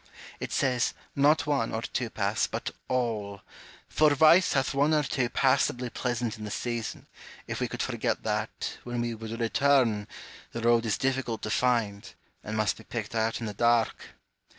It says, not one or two paths, but all : for vice hath one or two passably pleasant in the season, if we could forget that, when we would return, the road is difficult to find, and must be picked out in the dark.